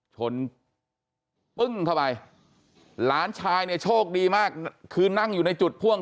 ปึ้งเข้าไปหลานชายเนี่ยโชคดีมากคือนั่งอยู่ในจุดพ่วง